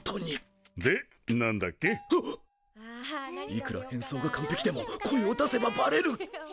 いくら変装が完璧でも声を出せばバレる！